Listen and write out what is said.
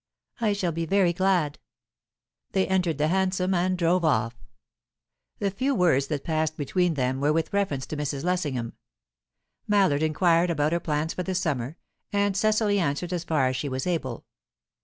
"I shall be very glad." They entered the hansom, and drove off. The few words that passed between them were with reference to Mrs. Lessingham. Mallard inquired about her plans for the summer, and Cecily answered as far as she was able.